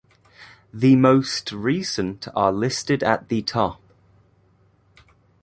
The most recent are listed at the top.